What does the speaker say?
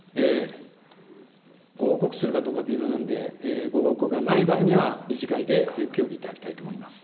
ご報告するかどうか微妙なんで、ご報告がない場合には、理事会で協議いただきたいと思います。